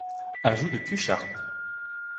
Ajout de Q Sharp.